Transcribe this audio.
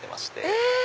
え！